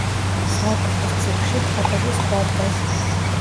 სარკმლის ძირში ტრაპეზის ქვა დგას.